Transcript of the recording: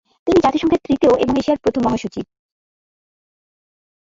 তিনি জাতিসংঘের তৃতীয় এবং এশিয়ার প্রথম মহাসচিব।